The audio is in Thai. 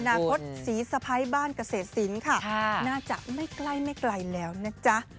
คตสีสะพ้ายบ้านเกษตรศิลป์ค่ะน่าจะไม่ใกล้ไม่ไกลแล้วนะจ๊ะ